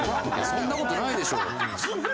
そんな事ないでしょ？